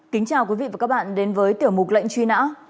kính chào quý vị và các bạn đến với tiểu mục lệnh truy nã